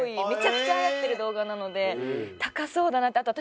めちゃくちゃ流行ってる動画なので高そうだなって。